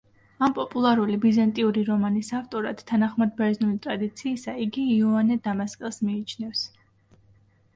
ამ პოპულარული ბიზანტიური რომანის ავტორად, თანახმად ბერძნული ტრადიციისა, იგი იოანე დამასკელს მიიჩნევს.